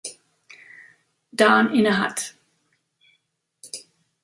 Dan innehat.